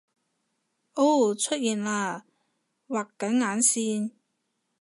噢出現喇畫緊眼線！